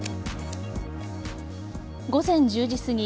午前１０時すぎ